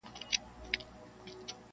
پښتین ته:-